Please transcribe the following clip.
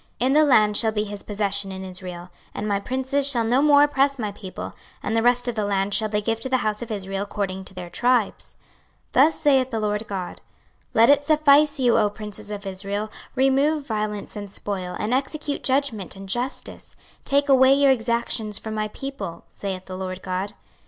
26:045:008 In the land shall be his possession in Israel: and my princes shall no more oppress my people; and the rest of the land shall they give to the house of Israel according to their tribes. 26:045:009 Thus saith the Lord GOD; Let it suffice you, O princes of Israel: remove violence and spoil, and execute judgment and justice, take away your exactions from my people, saith the Lord GOD.